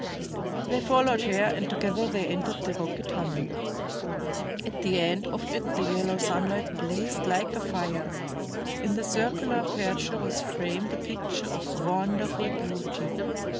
They followed her, and together they entered the rocky tunnel. At the end of it the yellow sunlight blazed like a fire, in the circular aperture was framed a picture of wonderful beauty.